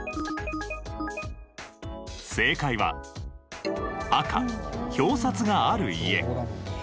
正解は赤表札がある家。